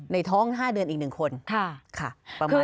ในท้อง๕เดือนอีก๑คนค่ะประมาณนี้